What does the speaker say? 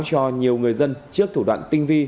cho nhiều người dân trước thủ đoạn tinh vi